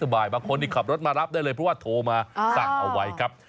บางคนนี่ขับรถมารับได้เลยเพราะว่าโทรมาสั่งเอาไว้ครับ